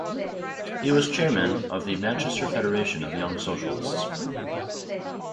He was chairman of the Manchester Federation of Young Socialists.